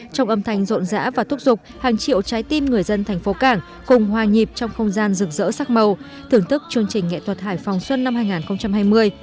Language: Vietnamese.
trong âm thanh rộn rã và túc rục hàng triệu trái tim người dân thành phố cảng cùng hòa nhịp trong không gian rực rỡ sắc màu thưởng thức chương trình nghệ thuật hải phòng xuân năm hai nghìn hai mươi